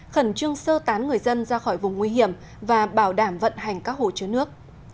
khẩn trương sơ tán người dân ra khỏi vùng nguy hiểm và bảo đảm vận hành các hồ chứa nước